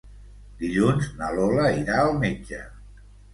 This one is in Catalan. Dilluns na Lola irà al metge.